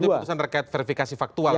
itu perputusan terkait verifikasi faktual ya